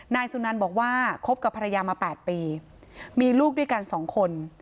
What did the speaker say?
นายสุนันบอกว่าคบกับภรรยามา๘ปีมีลูกด้วยกันสองคน